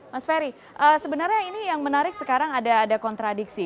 mas ferry sebenarnya ini yang menarik sekarang ada kontradiksi